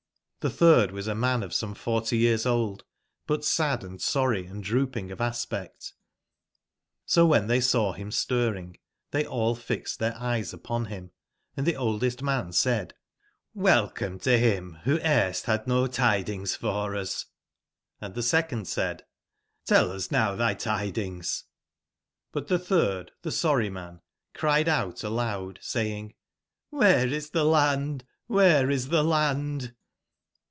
Xihc tbird was a man some forty years old, but sad and sorry & drooping of aspect j^So wben tbey saw bim stirring, tbey all fixed tbeir eyes upon bim, and tbe oldest man said: *' Welcome to bim wbo erst bad no tidings for us t " Hnd tbe second said: ''XTell us now tby tidings." But tbe tbird, tbe sorry man, cried out aloud, say i 113 ing: *' Cdbcrc is the land? CQbcrc is tbc land?"